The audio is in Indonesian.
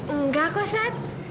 enggak kok seth